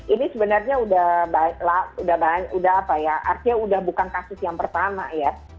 ini sebenarnya sudah apa ya artinya udah bukan kasus yang pertama ya